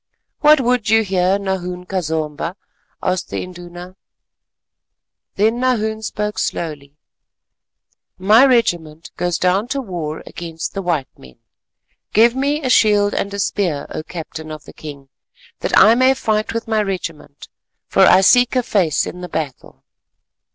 "What would you here, Nahoon ka Zomba?" asked the Induna. Then Nahoon spoke slowly. "My regiment goes down to war against the white men; give me a shield and a spear, O Captain of the king, that I may fight with my regiment, for I seek a face in the battle."